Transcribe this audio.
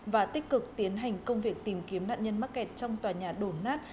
và tích cực tiến hành công việc tìm kiếm nạn nhân mắc kẹt trong tòa nhà đổ nát